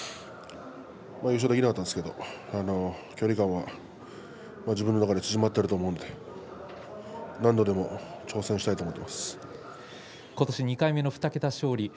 優勝できなかったですけど距離感は自分の中で縮まっていると思うので何度でも挑戦したい今年２回目の２桁勝利。